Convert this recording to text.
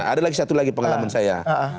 ada lagi satu lagi pengalaman saya